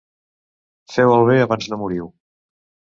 Feu el bé abans no moriu.